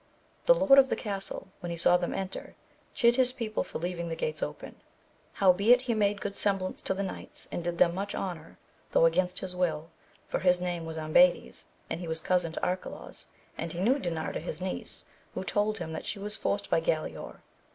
The lord of the castle, when he saw them enter, chid his people for leaving the gates open ; howbeit he made good sem blance to the knights and did them much honour, though against his will, for his name was Ambades, and he was cousin to Arcalaus, and he knew Dinarda his niece, who told him that she was forced by Galaor.